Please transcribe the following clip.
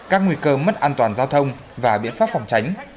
các nguy cơ mất an toàn giao thông và biện pháp phòng tránh